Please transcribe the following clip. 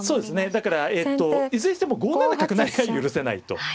だからいずれにしても５七角成が許せないと。